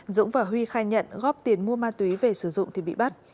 dũng và huy khai nhận góp tiền mua ma túy về sử dụng thì bị bắt